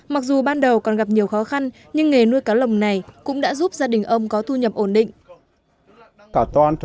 mặc dù ban đầu còn gặp nhiều khó khăn nhưng nghề nuôi cá lồng này cũng đã giúp gia đình ông có thu nhập ổn định